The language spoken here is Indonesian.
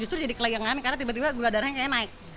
terus jadi kelegaan kami karena tiba tiba gula darahnya naik